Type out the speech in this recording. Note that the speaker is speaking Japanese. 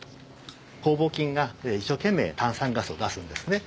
酵母菌が一生懸命炭酸ガスを出すんですね。